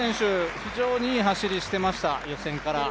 非常にいい走りしてました予選から。